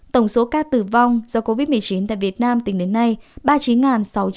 tổng số ca tử vong do covid một mươi chín tại việt nam tính đến nay ba mươi chín sáu trăm linh năm ca